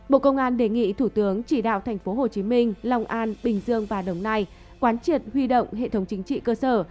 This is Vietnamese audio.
bộ công an đề nghị thủ tướng chỉ đạo tp hcm long an bình dương và đồng nai quán triệt huy động hệ thống chính trị cơ sở